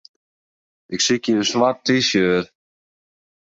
Ik sykje in swart T-shirt.